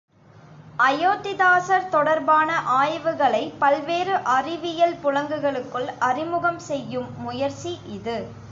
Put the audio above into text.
அயோத்திதாசர் தொடர்பான ஆய்வுகளை பல்வேறு அறிவியல் புலங்களுக்குள் அறிமுகம் செய்யும் முயற்சி இது.